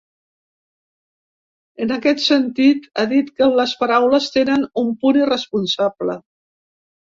En aquest sentit, ha dit que les paraules tenien ‘un punt irresponsable’.